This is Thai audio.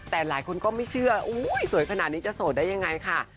แต่หลายคนก็ไม่เชื่ออุ้ยสวยขนาดนี้จะโสดได้ยังไงค่ะ